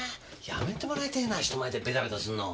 やめてもらいてぇな人前でベタベタすんの。